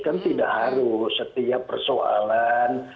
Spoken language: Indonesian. kan tidak harus setiap persoalan